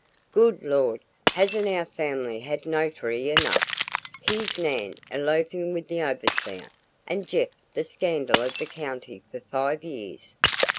"Good Lord, hasn't our family had notoriety enough? Here's Nan eloping with the overseer, and Jeff the scandal of the county for five years.